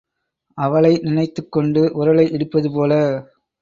அவலை நினைத்துக்கொண்டு உரலை இடிப்பது போல.